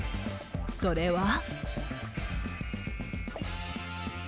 それは。